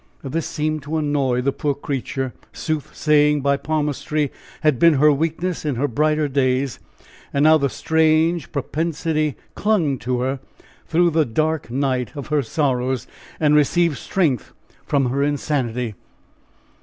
'" This seemed to annoy the poor creature soothsaying, by palmistry, had been her weakness in her brighter days, and now the strange propensity clung to her through the dark night of her sorrows, and received strength from her insanity.